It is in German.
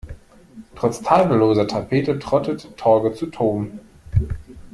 Trotz tadelloser Tapete trottet Torge zu Toom.